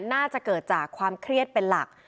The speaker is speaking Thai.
น่าจะเกิดจากความเครียดเป็นหลัก